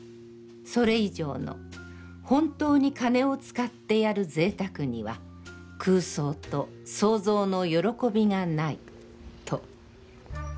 それ以上の、本当に金を使ってやる贅沢には、空想と創造の歓びがない。と。